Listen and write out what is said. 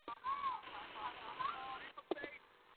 He is believed to be the last living member of the Clippers.